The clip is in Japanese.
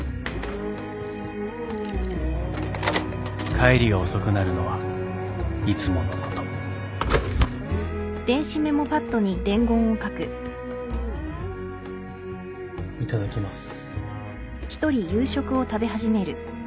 帰りが遅くなるのはいつものこといただきます。